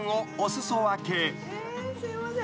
すいません。